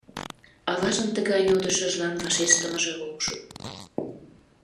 Аважын тыгай йодышыжлан вашештымыже ок шу.